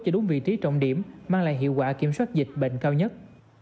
cho đúng vị trí trọng điểm mang lại hiệu quả kiểm soát dịch bệnh cao nhất